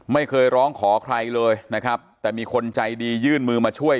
ไม่เคยร้องขอใครเลยนะครับแต่มีคนใจดียื่นมือมาช่วย